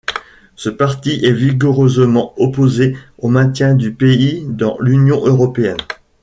Ce parti est vigoureusement opposé au maintien du pays dans l'Union européenne.